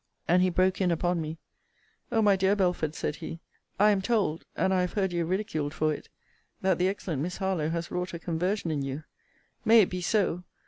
And he broke in upon me: O my dear Belford, said he, I am told, (and I have heard you ridiculed for it,) that the excellent Miss Harlowe has wrought a conversion in you. May it be so!